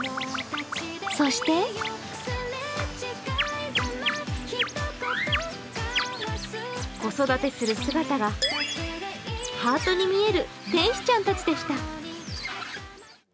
そして子育てする姿がハートに見える天使ちゃんたちでした。